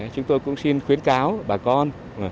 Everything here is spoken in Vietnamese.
chúng tôi cũng xin khuyến cáo bà con